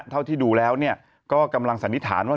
เท่าที่ดูแล้วก็กำลังสันนิษฐานว่า